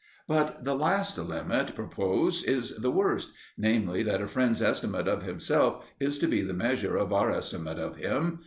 But the last limit proposed is the worst, namely, that a friend's estimate of himself is to be the measure of our estimate of him.